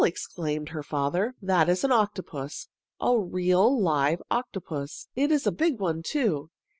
exclaimed her father. "That is an octopus. A real, live octopus! It is a big one, too.